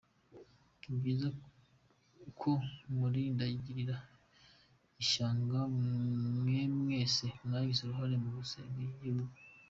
Ni byiza ko murindagirira ishyanga mwe mwese mwagize uruhare mu gusenya iki gihugu.